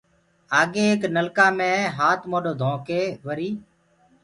آگي ايڪ نلڪآ مي هآت موڏو ڌوڪي وريٚ